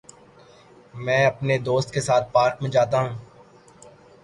میں اپنے دوست کے ساتھ پارک میں جاتا ہوں۔